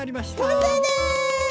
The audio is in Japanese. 完成です！